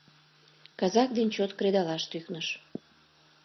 Казак дене чот кредалаш тӱкныш.